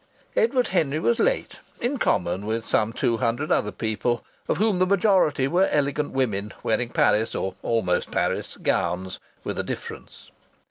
Edward Henry was late, in common with some two hundred other people, of whom the majority were elegant women wearing Paris or almost Paris gowns with a difference.